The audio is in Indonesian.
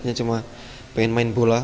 hanya cuma pengen main bola